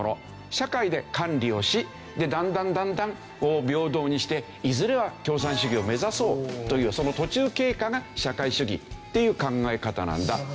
社会で管理をしだんだんだんだん平等にしていずれは共産主義を目指そうというその途中経過が社会主義っていう考え方なんだという事ですね。